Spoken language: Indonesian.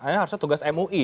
ini harusnya tugas mui